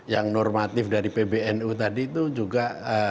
yang normatif dari pbnu tadi itu juga